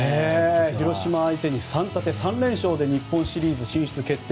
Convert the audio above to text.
広島相手に３縦３連勝で日本シリーズ進出決定。